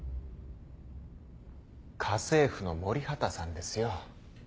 家政婦の森畑さんですよ。